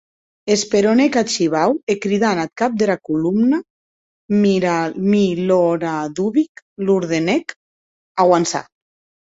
Esperonèc ath shivau e cridant ath cap dera colomna, Miloradovic, l’ordenèc auançar.